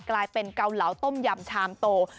กลายเป็นเกาเหลาต้มยำชามโต